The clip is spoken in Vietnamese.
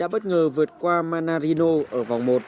bất ngờ vượt qua manarino ở vòng một